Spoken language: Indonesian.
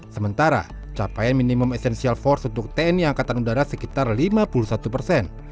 sementara capaian minimum essential force untuk tni angkatan udara sekitar lima puluh satu persen